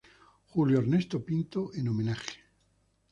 Julio Ernesto Pinto en homenaje.